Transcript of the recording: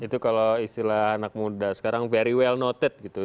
itu kalau istilah anak muda sekarang very well noted gitu